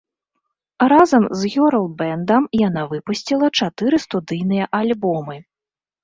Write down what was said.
Разам з гёрл-бэндам яна выпусціла чатыры студыйныя альбомы.